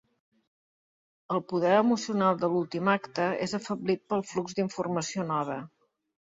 El poder emocional de l'últim acte és afeblit pel flux d'informació nova.